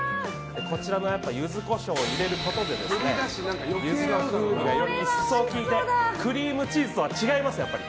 こちらにユズコショウを入れることで、ユズの風味がより一層効いてクリームチーズとは違いますから。